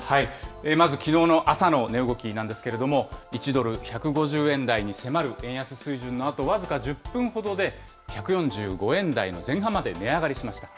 まずきのうの朝の値動きなんですけれども、１ドル１５０円台に迫る円安水準のあと、僅か１０分ほどで１４５円台の前半まで値上がりしました。